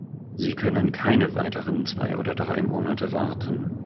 Sie können keine weiteren zwei oder drei Monate warten.